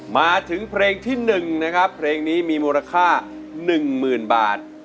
มาถึงเพลงที่หนึ่งนะครับเพลงนี้มีมูลค่าหนึ่งหมื่นบาท